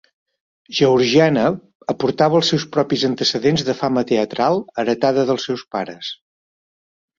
Georgiana aportava els seus propis antecedents de fama teatral heretada dels seus pares.